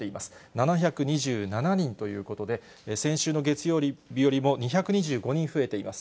７２７人ということで、先週の月曜日よりも２２５人増えています。